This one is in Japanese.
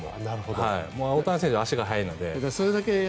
大谷選手は足が速いので。